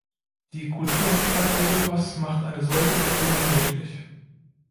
Die Kulturhauptstadt Europas macht eine solche Verbindung möglich.